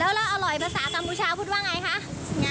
แล้วอร่อยภาษากัมพูชาพูดว่าไงคะ